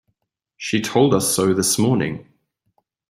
She told us so this morning.